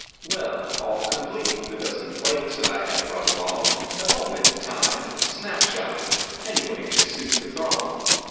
Well, all complete, the dozen plates That I had brought along Have all been "timed;" "snapshotted;" Any way to suit the throng.